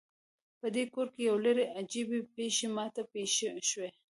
پدې کور کې یو لړ عجیبې پیښې ما ته پیښ شوي